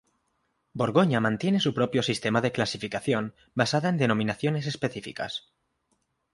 Borgoña mantiene su propio sistema de clasificación basada en denominaciones específicas.